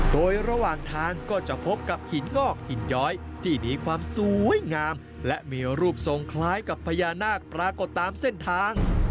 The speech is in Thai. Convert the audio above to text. โดยระหว่างทางก็จะพบกับหินงอกหินย้อยที่มีความสวยงามและมีรูปทรงคล้ายกับพญานาคปรากฏตามเส้นทาง